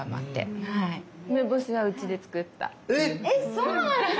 ⁉そうなんですか？